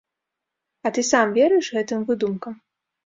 А ты сам верыш гэтым выдумкам?